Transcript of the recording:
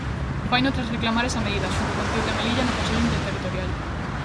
Faino tras reclamar esa medida, xunto con Ceuta e Melilla, no Consello Interterritorial.